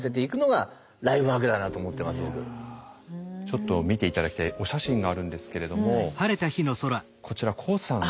ちょっと見て頂きたいお写真があるんですけれどもこちらＫＯＯさん。